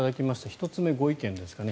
１つ目、ご意見ですかね。